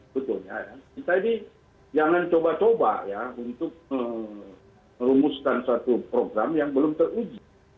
sebetulnya kita ini jangan coba coba ya untuk merumuskan satu program yang belum teruji